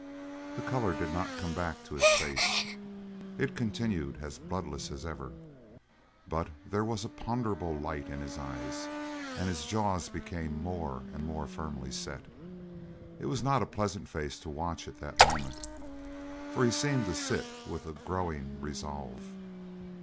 The colour did not come back to his face; it continued as bloodless as ever, but there was a ponderable light in his eyes, and his jaws became more and more firmly set. It was not a pleasant face to watch at that moment, for he seemed to sit with a growing resolve.